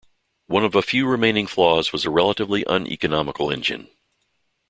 One of a few remaining flaws was a relatively uneconomical engine.